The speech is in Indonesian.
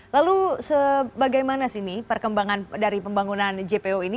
lalu bagaimana sini perkembangan dari pembangunan jpo ini